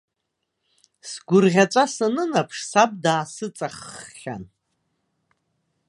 Сгәырӷьаҵәа санынаԥш, саб даасыҵахххьан.